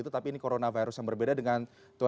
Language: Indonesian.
tapi ini coronavirus yang berbeda dengan